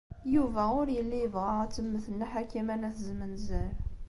Yuba ur yelli yebɣa ad temmet Nna Ḥakima n At Zmenzer.